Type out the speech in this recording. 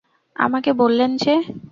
আমাকে বললেন যে!